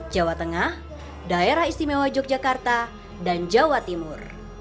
jawa tengah daerah istimewa yogyakarta dan jawa timur